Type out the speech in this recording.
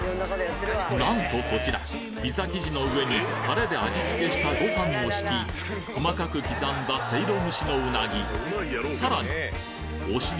なんとこちらピザ生地の上にタレで味付けしたご飯を敷き細かく刻んだせいろ蒸しのうなぎさらに惜し